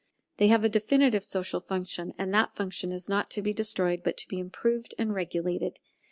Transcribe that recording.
They have a definite social function, and that function is not to be destroyed, but to be improved and regulated.